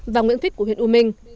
và nguyễn thích của huyện u minh